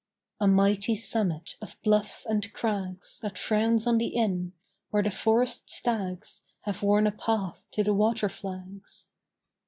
A mighty summit of bluffs and crags That frowns on the Inn; where the forest stags Have worn a path to the water flags.